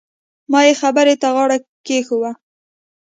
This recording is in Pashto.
ما يې خبرې ته غاړه کېښووه.